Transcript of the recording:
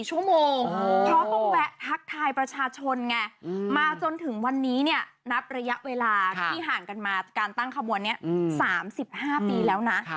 ชั่วโมงเพราะต้องแวะทักทายประชาชนไงมาจนถึงวันนี้เนี่ยนับระยะเวลาที่ห่างกันมาการตั้งขบวนนี้๓๕ปีแล้วนะ